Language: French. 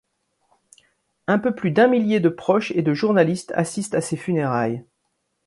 Un peu plus d'un millier de proches et de journalistes assistent à ses funérailles.